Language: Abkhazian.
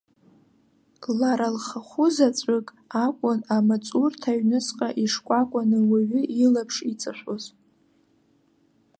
Лара лхахәы заҵәык акәын амаҵурҭа аҩныҵҟа ишкәакәаны уаҩы илаԥш иҵашәоз.